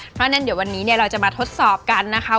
เพราะฉะนั้นเดี๋ยววันนี้เนี่ยเราจะมาทดสอบกันนะคะ